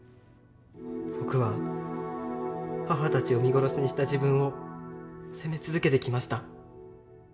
僕は母たちを見殺しにした自分を責め続けてきました。